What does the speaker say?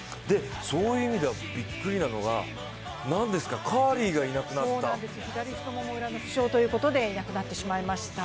そういう意味ではびっくりなのがカーリーがいなくなった左太もも裏の負傷ということでいなくなってしまいました。